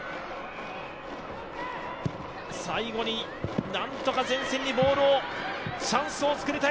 最後に何とか前線にボールをチャンスをつくりたい